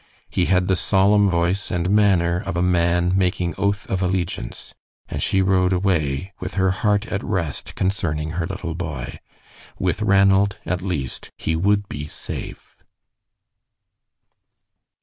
He had the solemn voice and manner of a man making oath of allegiance, and she rode away with her heart at rest concerning her little boy. With Ranald, at least, he would be safe.